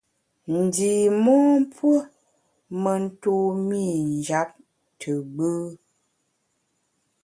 Ndi mon puo me ntumî njap te gbù.